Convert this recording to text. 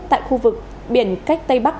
tại khu vực biển cách tây bắc